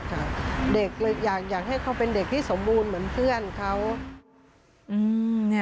เด็กเลยอยากให้เขาเป็นเด็กที่สมบูรณ์เหมือนเพื่อนเขา